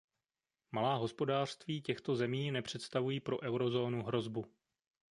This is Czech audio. Malá hospodářství těchto zemí nepředstavují pro eurozónu hrozbu.